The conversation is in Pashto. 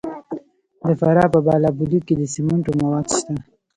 د فراه په بالابلوک کې د سمنټو مواد شته.